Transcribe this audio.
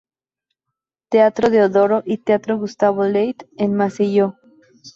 Teatro Deodoro y Teatro Gustavo Leite, en Maceió.